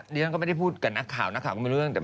แล้วก็ไม่ได้พูดกับนักข่าวนักข่าวมีเรื่อง